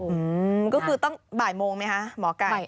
ก็คือต้องบ่ายโมงไหมคะหมอไก่